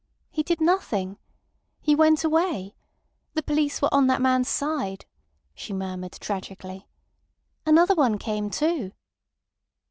He did nothing. He went away. The police were on that man's side," she murmured tragically. "Another one came too."